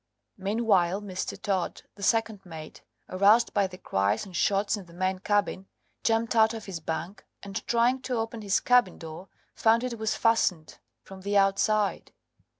Meanwhile Mr. Todd, the second mate, aroused by the cries and shots in the main cabin, jumped out of his bunk, and trying to open his cabin door, found it was fastened from the outside.